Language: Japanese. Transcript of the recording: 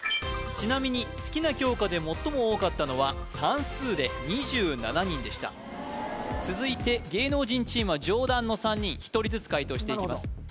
ちなみに好きな教科で最も多かったのは「算数」で２７人でした続いて芸能人チームは上段の３人１人ずつ解答していきます